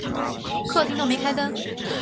客厅都没开灯